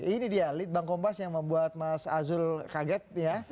ini dia litbang kompas yang membuat mas azul kaget